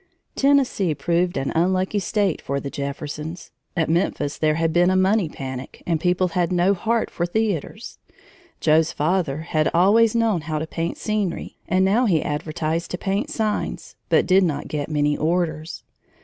Tennessee proved an unlucky State for the Jeffersons. At Memphis there had been a money panic, and people had no heart for theaters. Joe's father had always known how to paint scenery, and now he advertised to paint signs, but did not get many orders.